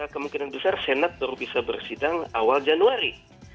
kemungkinan besar senat baru bisa bersidang awal januari